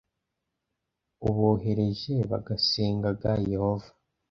ubohereje bagasengag yehova